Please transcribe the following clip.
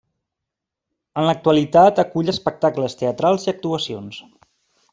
En l'actualitat acull espectacles teatrals i actuacions.